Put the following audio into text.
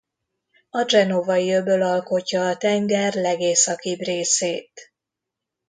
A Genovai-öböl alkotja a tenger legészakibb részét.